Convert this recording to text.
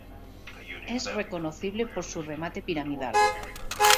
Es reconocible por su un remate piramidal.